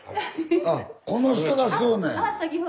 あこの人がそうなんや。